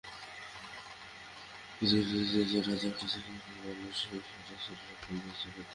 প্রত্যেক ইংরেজটিই যে রাজা– একটা ছোটো ইংরেজকে মারলেও যে সেটা একটা ছোটোরকম রাজবিদ্রোহ।